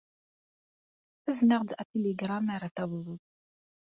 Azen-aɣ-d atiligṛam mi ara tawḍeḍ.